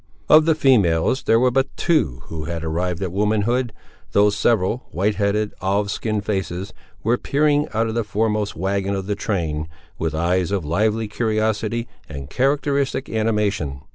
Of the females, there were but two who had arrived at womanhood; though several white headed, olive skinned faces were peering out of the foremost wagon of the train, with eyes of lively curiosity and characteristic animation.